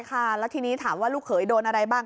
ค่ะแล้วทีนี้ถามว่าลูกเขยโดนอะไรบ้าง